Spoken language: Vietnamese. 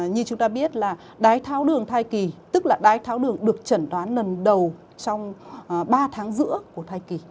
như chúng ta biết là đái tháo đường thai kỳ tức là đái tháo đường được chẩn đoán lần đầu trong ba tháng giữa của thai kỳ